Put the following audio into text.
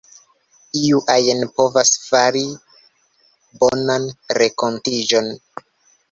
Iu ajn povas fari bonan renkontiĝon.